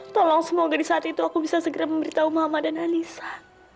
tolong semoga di saat itu aku bisa segera memberitahu mama dan anissa